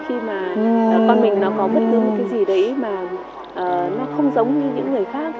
khi mà con mình nó có một cái gì đấy mà nó không giống như những người khác